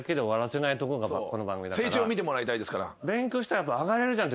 成長を見てもらいたいですから。